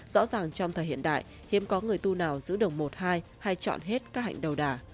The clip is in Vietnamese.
rõ ràng trong thời hiện đại hiếm có người tu nào giữ đồng một hai hay chọn hết các hạnh đầu đà